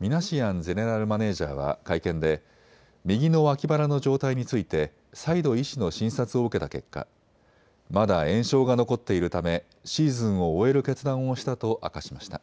ミナシアンゼネラルマネージャーは会見で右の脇腹の状態について再度医師の診察を受けた結果、まだ炎症が残っているためシーズンを終える決断をしたと明かしました。